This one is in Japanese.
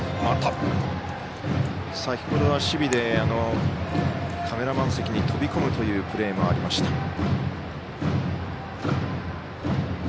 先ほどは守備でカメラマン席に飛び込むというプレーもありました。